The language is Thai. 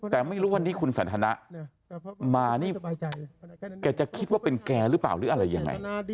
แต่ไม่รู้ว่านี่คุณสันทนะมานี่เขาจะคิดว่าเป็นแกหรือเปล่ายังไง